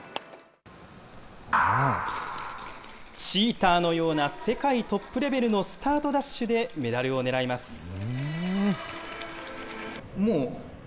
チーターのような世界トップレベルのスタートダッシュでメダルを狙います。